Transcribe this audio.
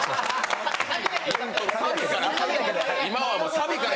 サビから。